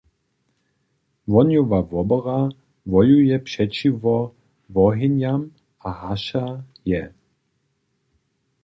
Wohnjowa wobora wojuje přećiwo wohenjam a haša je.